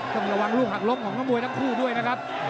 ต้องระวังลูกหักล้มของนักมวยทั้งคู่ด้วยนะครับ